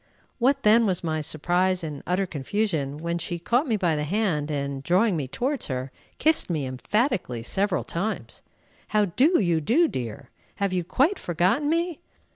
What then was my surprise and utter confusion when she caught me by the hand, and, drawing me towards her, kissed me emphatically several times. "How do you do, dear? Have you quite forgotten me?